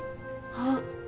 あっ。